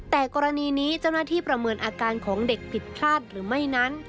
แต่กรณีนี้เจ้าหน้าที่ประเมินอาการของเด็กผิดพลาดหรือไม่นั้น